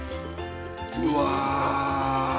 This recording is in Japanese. うわ！